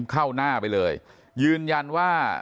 เข้าหน้าไปเลยยืนยันว่า